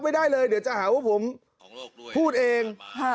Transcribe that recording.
ไม่ได้เลยเดี๋ยวจะหาว่าผมพูดเอง